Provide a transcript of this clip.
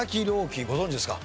希ご存じですか？